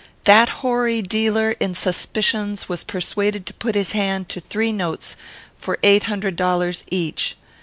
That hoary dealer in suspicions was persuaded to put his hand to three notes for eight hundred dollars each.